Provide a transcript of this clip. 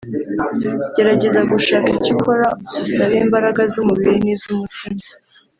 Gerageza gushaka icyo ukora gisaba imbaraga z’umubiri n’iz’umutima